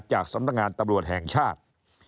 จากสำนักงานตำรวจแห่งชาติ